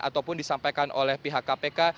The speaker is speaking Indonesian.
ataupun disampaikan oleh pihak kpk